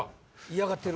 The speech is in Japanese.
嫌がってる。